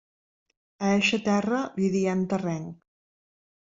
A eixa terra li diem terrenc.